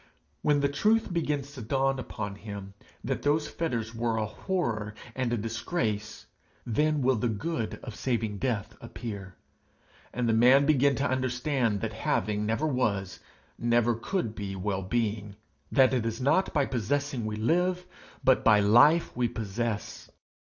When the truth begins to dawn upon him that those fetters were a horror and a disgrace, then will the good of saving death appear, and the man begin to understand that having never was, never could be well being; that it is not by possessing we live, but by life we possess.